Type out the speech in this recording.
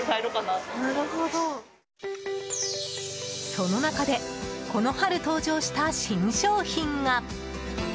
その中でこの春、登場した新商品が。